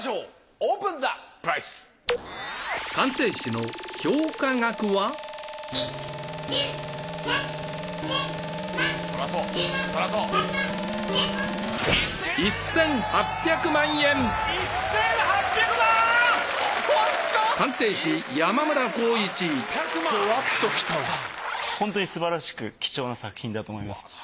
ホントにすばらしく貴重な作品だと思います。